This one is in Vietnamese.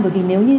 bởi vì nếu như